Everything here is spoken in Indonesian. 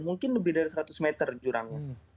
mungkin lebih dari seratus meter jurangnya